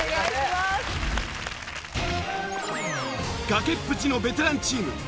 崖っぷちのベテランチーム。